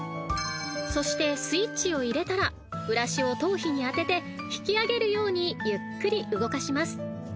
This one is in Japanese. ［そしてスイッチを入れたらブラシを頭皮に当てて引き上げるようにゆっくり動かします］